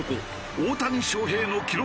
大谷翔平の記録